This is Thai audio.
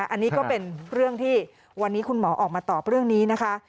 อันนี้ก็เป็นเรื่องที่วันนี้คุณหมอออกมาตอบเรื่องนี้นะคะ